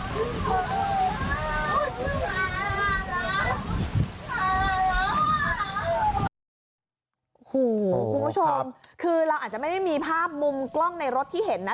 โอ้โหคุณผู้ชมคือเราอาจจะไม่ได้มีภาพมุมกล้องในรถที่เห็นนะ